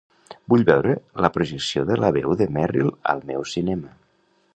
Vull veure la projecció de la Veu de Merrill al meu cinema.